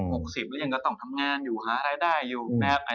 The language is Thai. หกสิบแล้วยังก็ต้องทำงานอยู่ฮะรายได้อยู่นะครับ